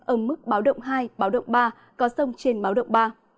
ở mức báo động hai báo động ba có sông trên báo động ba